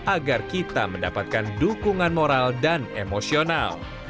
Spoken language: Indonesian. agar kita mendapatkan dukungan moral dan emosional